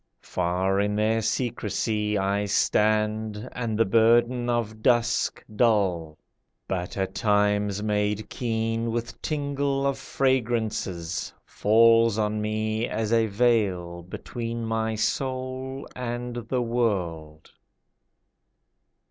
Far in their secrecy I stand, and the burden of dusk Dull, but at times made keen With tingle of fragrances, Falls on me as a veil Between my soul and the world.